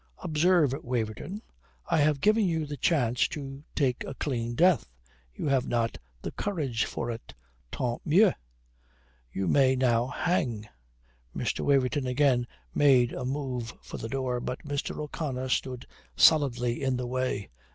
"Observe, Waverton: I have given you the chance to take a clean death. You have not the courage for it. Tant mieux. You may now hang." Mr. Waverton again made a move for the door, but Mr. O'Connor stood solidly in the way.